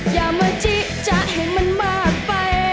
อย่ามาจิจะให้มันมากไป